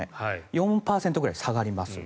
４％ぐらい下がります。